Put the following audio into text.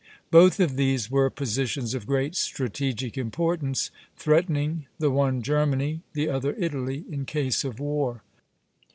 Both of these were positions of great strategic importance, threatening, the one Germany, the other Italy, in case of war.